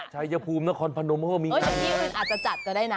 มีที่อื่นอาจจะจัดก็ได้นะ